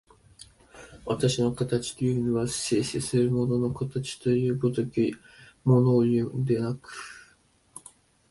私の形というのは、静止する物の形という如きものをいうのでなく、